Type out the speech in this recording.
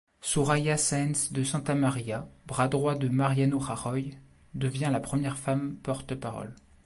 Soraya Sáenz de Santamaría, bras-droit de Mariano Rajoy, devient la première femme porte-parole.